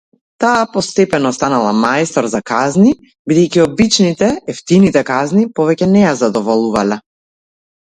Таа постепено станала мајстор за казни, бидејќи обичните, евтините казни повеќе на ја задоволувале.